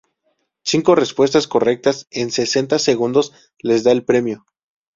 Cinco respuestas correctas en sesenta segundos les da el premio.